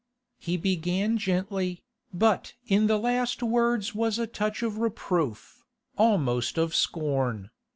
He began gently, but in the last words was a touch of reproof, almost of scorn.